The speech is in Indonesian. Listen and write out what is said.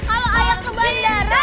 kalo ayah ke bandara